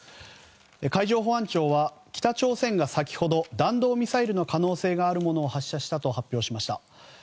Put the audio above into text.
海上保安庁は北朝鮮が先ほど弾道ミサイルの可能性があるものを発射したと発表しました。